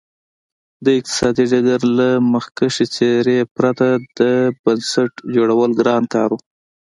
د اقتصادي ډګر له مخکښې څېرې پرته د بنسټ جوړول ګران کار و.